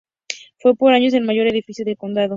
Fue por años el mayor edificio del condado.